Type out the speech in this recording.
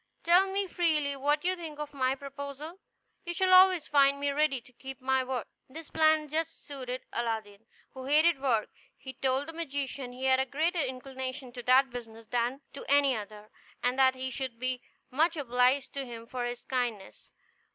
Tell me freely what you think of my proposal; you shall always find me ready to keep my word." This plan just suited Aladdin, who hated work. He told the magician he had a greater inclination to that business than to any other, and that he should be much obliged to him for his kindness.